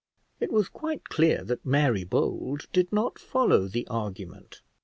It was quite clear that Mary Bold did not follow the argument.